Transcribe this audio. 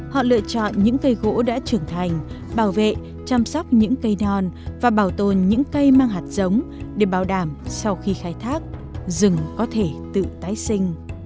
họ lựa chọn những cây gỗ đã trưởng thành bảo vệ chăm sóc những cây non và bảo tồn những cây mang hạt giống để bảo đảm sau khi khai thác rừng có thể tự tái sinh